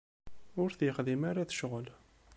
Ur t-yexdim ara d ccɣel.